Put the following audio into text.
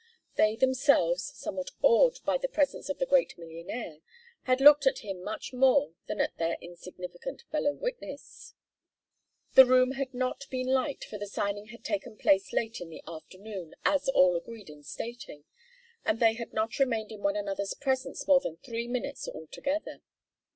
They themselves, somewhat awed by the presence of the great millionaire, had looked at him much more than at their insignificant fellow witness. The room had not been light, for the signing had taken place late in the afternoon, as all agreed in stating, and they had not remained in one another's presence more than three minutes altogether.